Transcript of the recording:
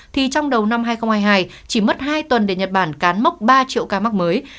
thì trong đầu năm hai nghìn hai mươi hai chỉ mất hai tuần để nhật bản cán mốc ba triệu ca mắc mới